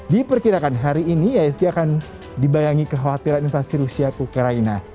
di perkirakan hari ini iisg akan dibayangi kekhawatiran inflasi rusia ke ukraina